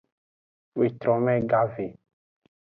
Wetrome gave.